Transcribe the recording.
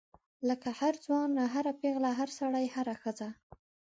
لکه هر ځوان هر پیغله هر سړی هره ښځه.